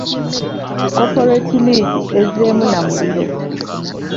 Corporate League ezzeemu na muliro.